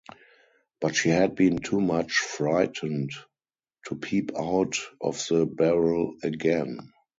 But she had been too much frightened to peep out of the barrel again.